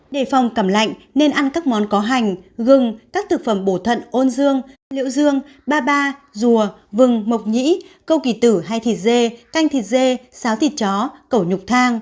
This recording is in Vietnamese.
đề phòng cẩm lạnh nên ăn các món có hành gừng các thực phẩm bổ thận ôn dương liễu dương ba ba rùa vừng mộc nhĩ câu kỳ tử hay thịt dê canh thịt dê xáo thịt chó cẩu nhục thang